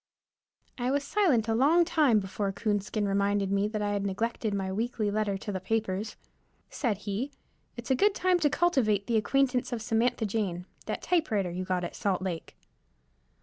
I was silent a long time before Coonskin reminded me that I had neglected my weekly letter to the papers. Said he, "It's a good time to cultivate the acquaintance of Samantha Jane, that typewriter you got at Salt Lake."